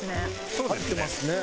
そうですね。